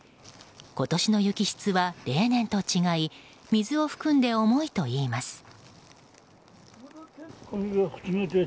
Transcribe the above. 今年の雪質は例年と違い水を含んで重いといいます。